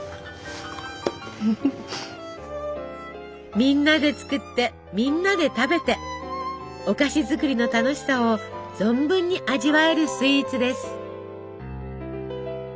みんなで作ってみんなで食べてお菓子作りの楽しさを存分に味わえるスイーツです。